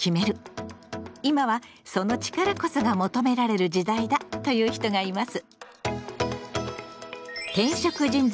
今はその力こそが求められる時代だという人がいます。